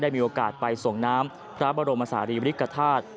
มีโอกาสไปส่งน้ำพระบรมศาลีบริกฐาตุ